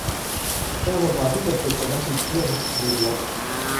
เธอหมดหวังที่จะฝึกเป็นนักบินเครื่องบินรบ